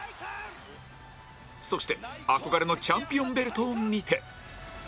そして憧れのチャンピオンベルトを見て